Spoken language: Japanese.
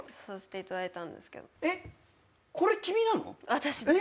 私です。